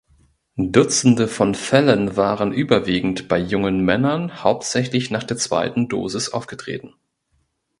Dutzende von Fällen waren überwiegend bei jungen Männern hauptsächlich nach der zweiten Dosis aufgetreten.